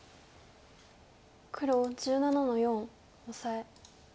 黒１７の四オサエ。